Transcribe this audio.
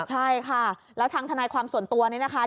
ใช่ค่ะแล้วทางทนายความส่วนตัวนี้นะคะ